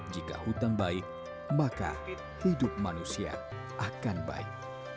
jika hutan baik maka hidup manusia akan baik